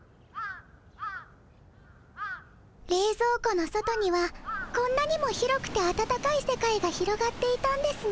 れいぞう庫の外にはこんなにも広くて温かい世界が広がっていたんですね。